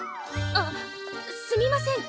あっすみません